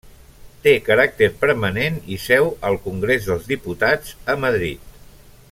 Té caràcter permanent i seu al Congrés dels Diputats a Madrid.